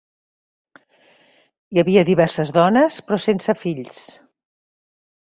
Hi havia diverses dones, però sense fills.